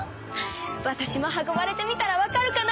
わたしも運ばれてみたらわかるかな。